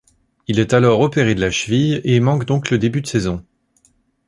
Il est alors opéré de la cheville et manque donc le début de saison.